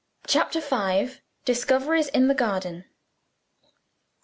CHAPTER V. DISCOVERIES IN THE GARDEN.